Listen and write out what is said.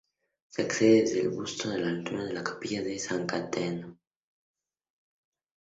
Se accede desde Busto, a la altura de la capilla de San Caetano.